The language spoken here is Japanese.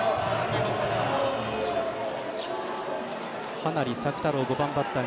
羽成朔太郎、５番バッター